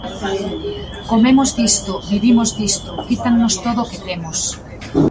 Comemos disto, vivimos disto, quítannos todo o que temos.